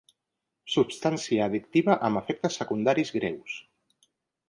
Substància addictiva amb efectes secundaris greus.